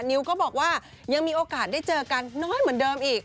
นิวก็บอกว่ายังมีโอกาสได้เจอกันน้อยเหมือนเดิมอีก